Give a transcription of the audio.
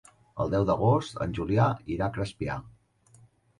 El deu d'agost en Julià irà a Crespià.